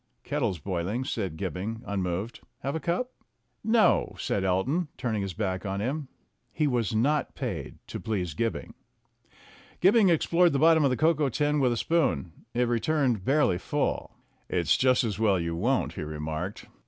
"Kettle's boiling," said Gibbing, unmoved. "Have a cup?" "No," said Elton, turning his back on him. He was not paid to please Gibbing. Gibbing explored the bottom of the cocoa tin with a spoon. It returned barely full. "It's just as well you won't," he remarked.